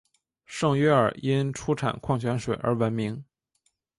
圣约尔因出产矿泉水而闻名。